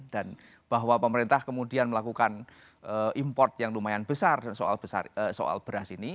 bahwa pemerintah kemudian melakukan import yang lumayan besar soal beras ini